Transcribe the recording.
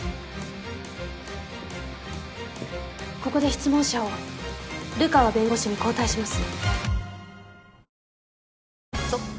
ここで質問者を流川弁護士に交代します。